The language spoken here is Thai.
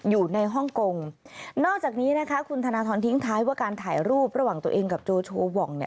อยู่ในห้องคลนอกจากนี้คุณธนทรทิ้งท้ายว่าการถ่ายรูประหว่างตัวเองกับโจโชวอง